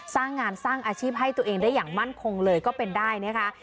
สร้างงานสร้างอาชีพให้ตัวเองได้อย่างมั่นคงเลยก็เป็นได้นะคะ